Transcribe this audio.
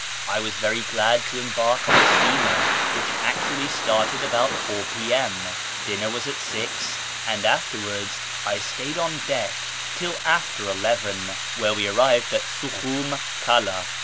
I was very glad to embark on the steamer, which actually started about 4 p.m. Dinner was at G, and afterwards I stayed on deck till after 11, when we arrived at Sukhoum Kala.